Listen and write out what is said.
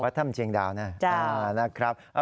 วัฒนธรรมเชียงดาวนะนะครับ